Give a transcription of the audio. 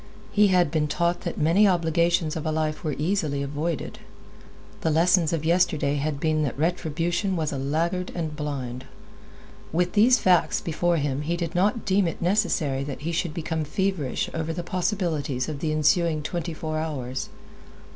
He had been taught that many obligations of a life were easily avoided. The lessons of yesterday had been that retribution was a laggard and blind. With these facts before him he did not deem it necessary that he should become feverish over the possibilities of the ensuing twenty four hours.